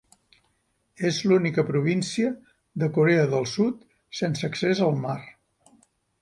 És l'única província de Corea del Sud sense accés al mar.